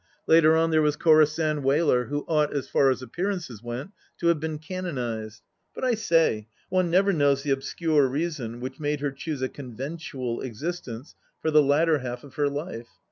Later on there was Corisande Wheler, who ought, as far as appearances went, to have been canonized. ... But I say, one never knows the obscure reason which made her choose a conventual existence for the latter half of her life.